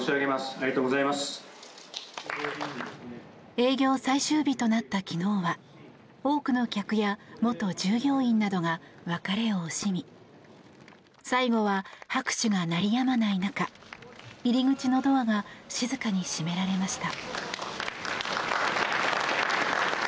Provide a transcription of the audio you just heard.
営業最終日となった昨日は多くの客や元従業員などが別れを惜しみ最後は、拍手が鳴りやまない中入り口のドアが静かに閉められました。